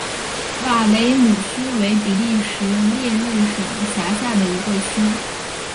瓦雷姆区为比利时列日省辖下的一个区。